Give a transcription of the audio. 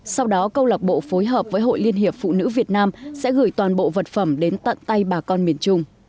sau đó câu lạc bộ phối hợp với hội liên hiệp phụ nữ việt nam sẽ gửi toàn bộ vật phẩm đến tận tay bà con miền trung